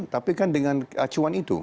tapi kan dengan acuan itu